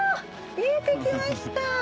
見えてきました！